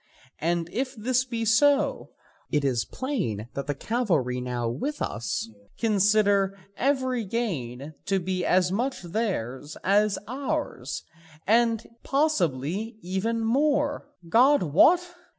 And if this be so, it is plain that the cavalry now with us consider every gain to be as much theirs as ours, and possibly even more, God wot!